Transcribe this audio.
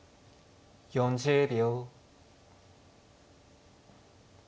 ４０秒。